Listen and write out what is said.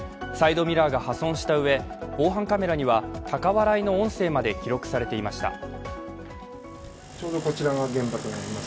サイドミラーが破損したうえ、防犯カメラには高笑いの音声まで記録されていました。